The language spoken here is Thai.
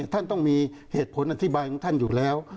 ท่านต้องมีเหตุผลอธิบายของท่านอยู่แล้ว